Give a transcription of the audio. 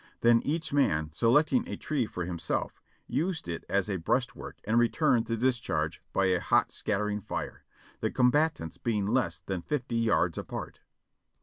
Then each man, select ing a tree for himself, used it as a breastwork and returned the discharge by a hot scattering fire, the combatants being less than fifty yards apart.